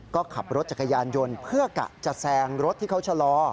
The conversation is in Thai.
ก็ขับรถจักรยานยนต์เพื่อกะจะแซงรถที่เขาชะลอ